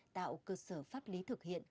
tạo cơ sở pháp lý thực hiện